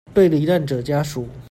對罹難者家屬